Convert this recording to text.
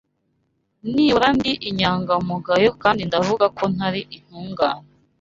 Nibura ndi inyangamugayo kandi ndavuga ko ntari intungane.